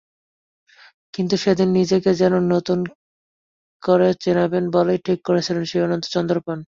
কিন্তু সেদিন নিজেকে যেন নতুন করে চেনাবেন বলেই ঠিক করেছিলেন শিবনারায়ণ চন্দরপল।